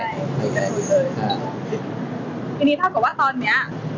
ทีนี้ถ้าเกิดว่าตอนนี้